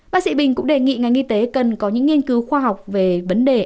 bác sĩ bình cũng đề nghị ngành y tế cần có những nghiên cứu khoa học về vấn đề